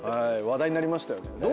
話題になりましたよね。